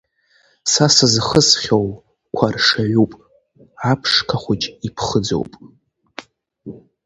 Са сызхысхьоу қәаршаҩуп, аԥшқа хәыҷ иԥхыӡоуп.